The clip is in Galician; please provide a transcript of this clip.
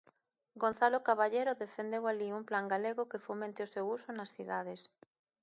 Gonzalo Caballero defendeu alí un plan galego que fomente o seu uso nas cidades.